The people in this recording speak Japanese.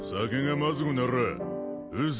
酒がまずくならぁ